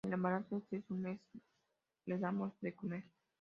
en el embarazo. este, en un mes, le damos de comer.